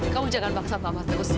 kamu jangan maksa mama terus